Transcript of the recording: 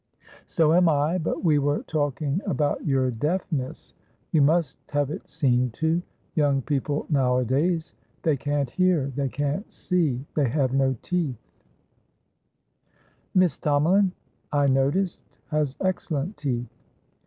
"So am I. But we were talking about your deafness: you must have it seen to. Young people nowadays! They can't hear, they can't see, they have no teeth" "Miss Tomalin, I noticed, has excellent teeth."